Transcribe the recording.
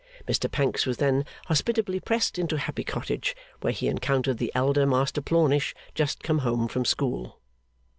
Mr Pancks was then hospitably pressed into Happy Cottage, where he encountered the elder Master Plornish just come home from school.